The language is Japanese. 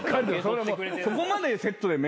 そこまでセットで名刺。